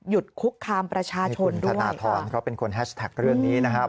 คุกคามประชาชนคุณธนทรเขาเป็นคนแฮชแท็กเรื่องนี้นะครับ